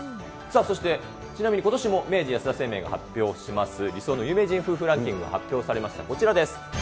そしてちなみにことしも明治安田生命が発表します、理想の有名人夫婦ランキング発表されました、こちらです。